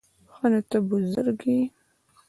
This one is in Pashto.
_ښه نو، ته بزرګ يې؟